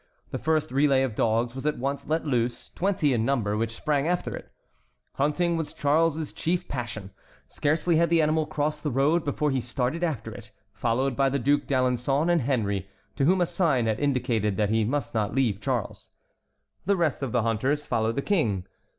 The first relay of dogs was at once let loose, twenty in number, which sprang after it. Hunting was Charles' chief passion. Scarcely had the animal crossed the road before he started after it, followed by the Duc d'Alençon and Henry, to whom a sign had indicated that he must not leave Charles. The rest of the hunters followed the King.